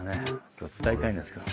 今日は伝えたいんですけど。